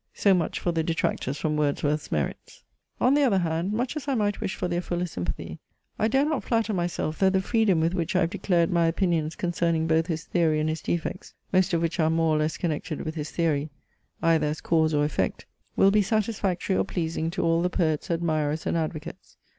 So much for the detractors from Wordsworth's merits. On the other hand, much as I might wish for their fuller sympathy, I dare not flatter myself, that the freedom with which I have declared my opinions concerning both his theory and his defects, most of which are more or less connected with his theory, either as cause or effect, will be satisfactory or pleasing to all the poet's admirers and advocates.